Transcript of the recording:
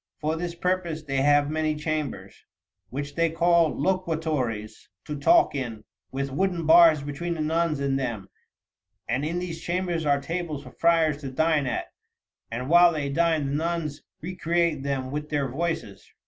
For this purpose they have many chambers, which they call loquatories, to talk in, with wooden bars between the nuns and them, and in these chambers are tables for the friars to dine at, and while they dine the nuns recreate them with their voices."